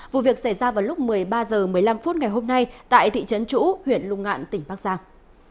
vụ việc xảy ra vào lúc một mươi ba h một mươi năm phút ngày hôm nay tại thị trấn chủ huyện lục ngạn tỉnh bắc giang